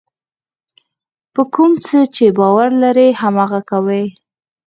په کوم څه چې باور لرئ هماغه کوئ.